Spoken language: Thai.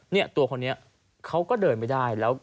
เนี่ยตัวคนนี้เขาก็เดินไม่ได้แล้ว